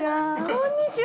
こんにちは。